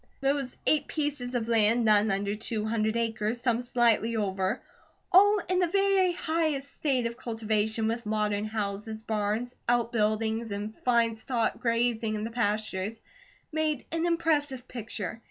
Those eight pieces of land, none under two hundred acres, some slightly over, all in the very highest state of cultivation, with modern houses, barns, outbuildings, and fine stock grazing in the pastures, made an impressive picture.